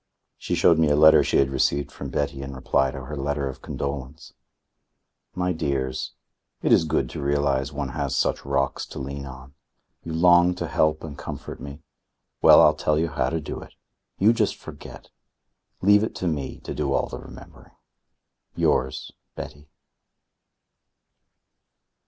She showed me a letter she had received from Betty in reply to her letter of condolence: "My dears, "It is good to realise one has such rocks to lean on. You long to help and comfort me. Well, I'll tell you how to do it. You just forget. Leave it to me to do all the remembering. "Yours, Betty."